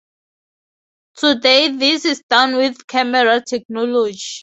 Today this is done with camera technology.